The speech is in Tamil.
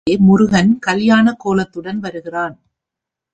இந்தப் பாட்டிலே முருகன் கல்யாணக் கோலத்துடன் வருகிறான்.